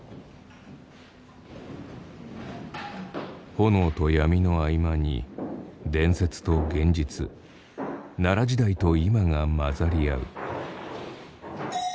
炎と闇の合間に伝説と現実奈良時代と今が混ざり合う。